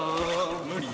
無理。